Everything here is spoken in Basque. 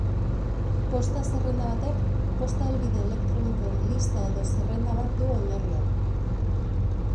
Posta-zerrenda batek, posta helbide elektronikoen lista edo zerrenda bat du oinarrian.